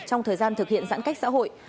trong thời gian thực hiện giãn cách xã hội